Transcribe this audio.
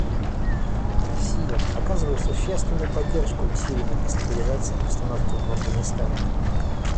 Россия оказывает существенную поддержку усилиям по стабилизации обстановки в Афганистане.